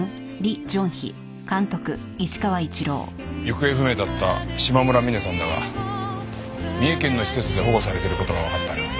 行方不明だった島村ミネさんだが三重県の施設で保護されてる事がわかったよ。